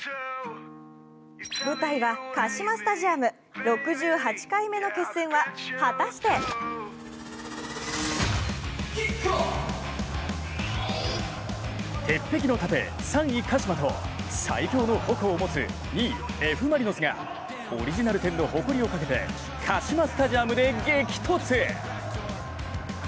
舞台は鹿島スタジアム、６８回目の決戦は果たして鉄壁の盾、３位・鹿島と最強の矛を持つ２位・Ｆ・マリノスがオリジナル１０の誇りをかけてカシマスタジアムで激突！